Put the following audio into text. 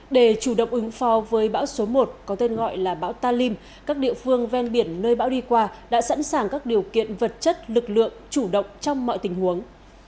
để chủ động ứng phó với bão số một có tên gọi là bão talim các địa phương ven biển nơi bão đi qua đã sẵn sàng các điều kiện vật chất lực lượng chủ động trong mọi tình huống